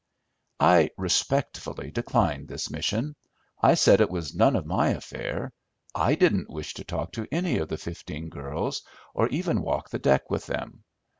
I respectfully declined this mission. I said it was none of my affair. I didn't wish to talk to any of the fifteen girls, or even walk the deck with them.